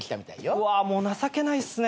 うわもう情けないっすね。